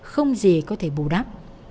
không gì có thể bù đắp